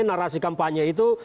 narasi kampanye itu